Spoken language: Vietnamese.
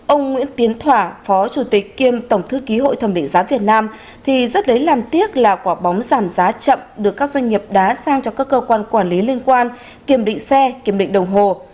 ông nguyễn tiến thỏa phó chủ tịch kiêm tổng thư ký hội thẩm định giá việt nam thì rất lấy làm tiếc là quả bóng giảm giá chậm được các doanh nghiệp đá sang cho các cơ quan quản lý liên quan kiểm định xe kiểm định đồng hồ